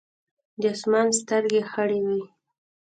د اسمان سترګې خړې وې ـ